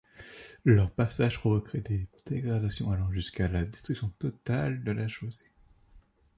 Leur passage provoquerait des dégradations allant jusqu'à la destruction totale de la chaussée.